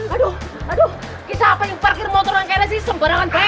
aduh kisah apa yang parkir motor langkaiannya sih semberangan bek